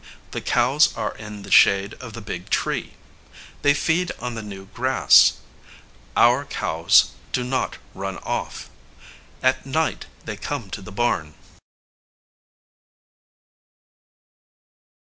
The cows are in the shade of the big tree. They feed on the new grass. Our cows do not run off. At night they come to the barn.